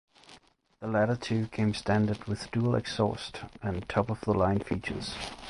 The latter two came standard with dual exhaust and top of the line features.